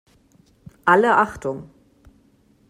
Alle Achtung!